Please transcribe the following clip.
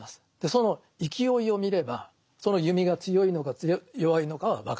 その勢いを見ればその弓が強いのか弱いのかは分かる。